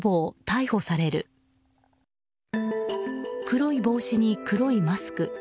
黒い帽子に黒いマスク。